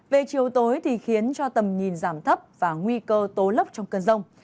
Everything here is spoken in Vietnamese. về chiều tối thì khiến cho tầm nhìn giảm thấp và nguy cơ tố lốc trong cơn rông